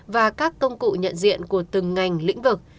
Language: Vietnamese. và các công cụ nhận diện của từng ngành lĩnh vực